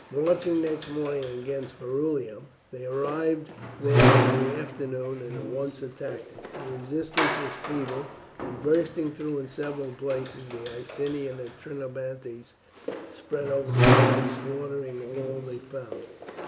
Marching next morning against Verulamium, they arrived there in the afternoon and at once attacked it. The resistance was feeble, and bursting through in several places the Iceni and Trinobantes spread over the town, slaughtering all they found.